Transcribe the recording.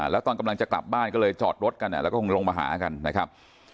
แล้วตอนกำลังจะกลับบ้านก็เลยจอดรถกันแล้วก็คงลงมาหากันนะครับ